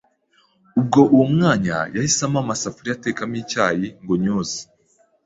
Ubwo uwo mwanya yahise ampa amasafuriya atekamo icyayi ngo nyoze,